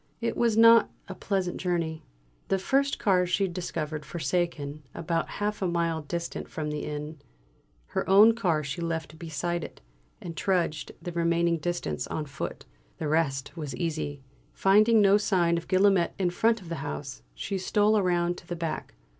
It was not a pleasant journey. The first car she discovered forsaken, about half a mile distant from the inn. Her own car she left beside it, and trudged the remaining distance on foot. The rest was easy. Finding no sign of Guillaumet in front of the house, she stole round to the back.